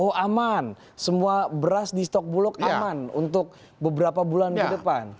oh aman semua beras di stok bulog aman untuk beberapa bulan ke depan